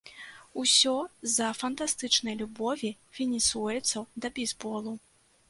Усё з-за фантастычнай любові венесуэльцаў да бейсболу.